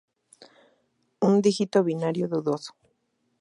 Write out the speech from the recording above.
Un dígito binario dudoso.